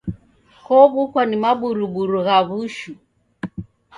Kobukwa ni maburuburu gha w'ushu